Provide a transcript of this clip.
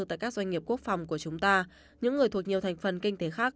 tại các doanh nghiệp quốc phòng của chúng ta những người thuộc nhiều thành phần kinh tế khác